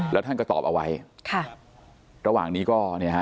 แล้วท่านก็ตอบเอาไว้ระหว่างนี้ก็